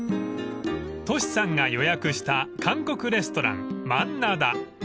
［トシさんが予約した韓国レストラン満奈多］